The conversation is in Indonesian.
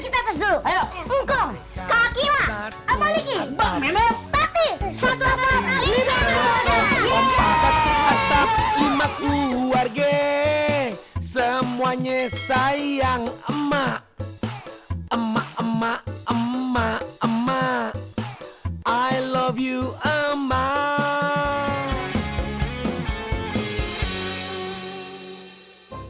semua sayang emak emak emak emak emak i love you emak